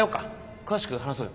詳しく話そうよ。